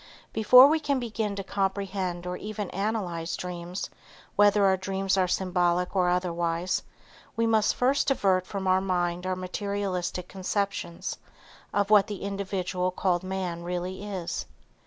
Before we can begin to comprehend or even analyze dreams, whether our dreams are symbolic or otherwise, we must first divert from our mind our materialistic conceptions of what the individual called man really is.